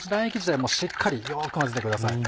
もうしっかりよく混ぜてください。